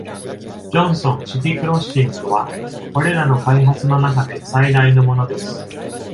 ジョンソンシティクロッシングは、これらの開発の中で最大のものです。